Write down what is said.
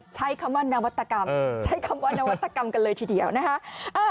ใช้คำว่านวัตกรรมใช้คำว่านวัตกรรมกันเลยทีเดียวนะคะ